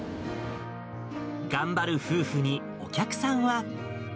頑張る夫婦に、お客さんは。